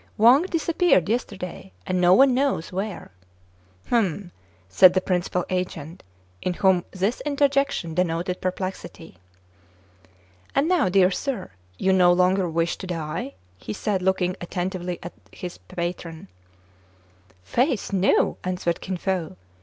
" Wang disappeared yesterday, and no one knows where." " Humph !" said the principal agent, in whom this interjection denoted perplexity. "And now, dear sir, you no longer wish to die? " he said, looking attentively at his patron. 104 TRIBULATIONS OF A CHINAMAN. " Faith, no !" answered Kin Fo.